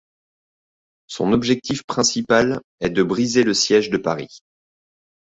Son objectif principal est de briser le siège de Paris.